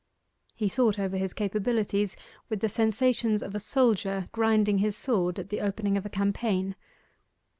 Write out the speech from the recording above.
He thought over his capabilities with the sensations of a soldier grinding his sword at the opening of a campaign.